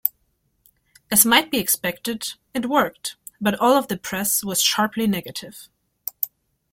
As might be expected, it worked, but all of the press was sharply negative.